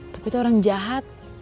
tapi itu orang jahat